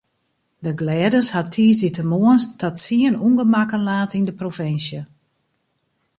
De glêdens hat tiissdeitemoarn ta tsien ûngemakken laat yn de provinsje.